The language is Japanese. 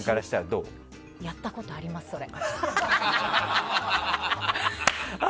私やったことあります、それ。